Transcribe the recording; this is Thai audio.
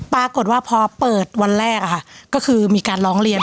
ปรากฏว่าพอเปิดวันแรกก็คือมีการร้องเรียน